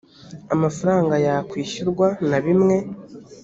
amafaranga yakwishyurwa na bimwe